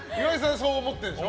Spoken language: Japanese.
そう思ってるんでしょ？